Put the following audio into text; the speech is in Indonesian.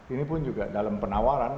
ini pun juga dalam penawaran